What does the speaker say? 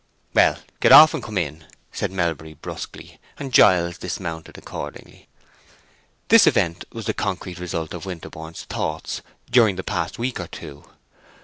"Well, get off and come in," said Melbury, brusquely; and Giles dismounted accordingly. This event was the concrete result of Winterborne's thoughts during the past week or two.